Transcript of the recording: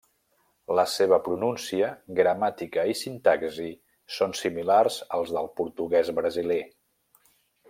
La seva pronúncia, gramàtica i sintaxi són similars als del portuguès brasiler.